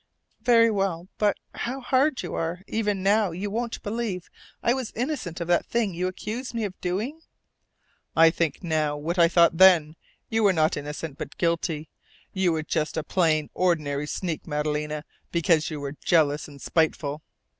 "Very well. But how hard you are! Even now, you won't believe I was innocent of that thing you accused me of doing?" "I think now what I thought then. You were not innocent, but guilty. You were just a plain, ordinary sneak, Madalena, because you were jealous and spiteful."